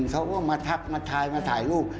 เขาก็มาทักมาทายมาถ่ายรูป